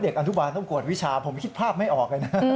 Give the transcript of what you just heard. อนุบาลต้องกวดวิชาผมคิดภาพไม่ออกเลยนะ